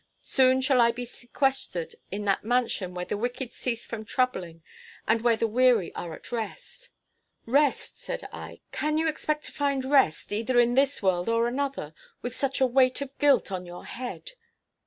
Soon shall I be sequestered in that mansion 'where the wicked cease from troubling, and where the weary are at rest.'" "Rest!" said I; "can you expect to find rest, either in this world or another, with such a weight of guilt on your head?"